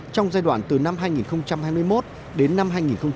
trong giai đoạn từ năm hai nghìn hai mươi một đến năm hai nghìn hai mươi